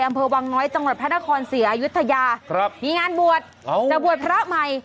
อำเภอวังน้อยจังหวัดพระนครศรีอายุทยาครับมีงานบวชจะบวชพระใหม่